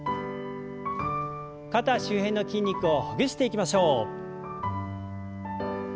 肩周辺の筋肉をほぐしていきましょう。